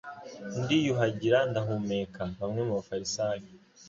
ndiyuhagira ndahumuka. Bamwe mu bafarisayo